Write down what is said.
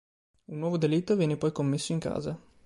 Un nuovo delitto viene poi commesso in casa.